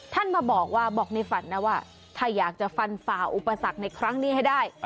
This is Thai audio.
ท่านมาบอกว่าบอกในฝันนะว่าถ้าอยากจะฟันฝ่าอุปสรรคในครั้งนี้ให้ได้